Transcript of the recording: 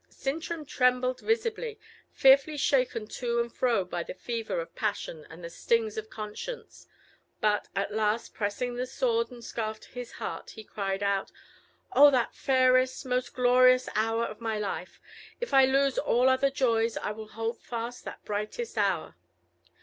Sintram trembled visibly, fearfully shaken to and fro by the fever of passion and the stings of conscience. But at last, pressing the sword and scarf to his heart, he cried out, "Oh! that fairest, most glorious hour of my life! If I lose all other joys, I will hold fast that brightest hour!"